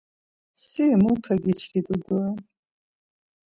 Si mupe giçkit̆u dore!